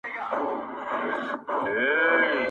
قافلې سمي ته سیخ کړي را پیدا کاروان سالار کې -